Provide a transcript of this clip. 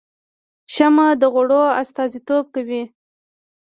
شمعه د غوړ استازیتوب کوي